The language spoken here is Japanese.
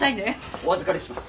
お預かりします。